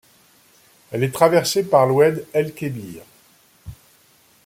Elle est traversée par l'oued El Kebir.